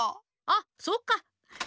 あそっか。